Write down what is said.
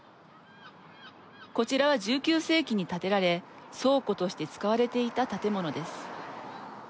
こちらは１９世紀に建てられ倉庫として使われていた建物です。